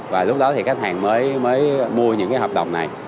và lúc đó thì khách hàng mới mới mua những cái hợp đồng này